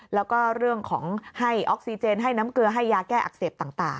แล้วก็เรื่องของให้ออกซิเจนให้น้ำเกลือให้ยาแก้อักเสบต่าง